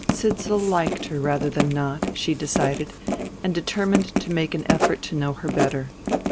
Sidsall liked her rather than not, she decided; and determined to make an effort to know her better.